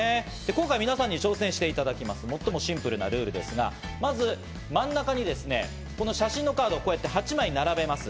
今回、皆さんに挑戦していただきます、最もシンプルなルールですが、まず真ん中にこの写真のカードをこうやって８枚並べます。